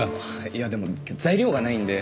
いやでも材料がないんで。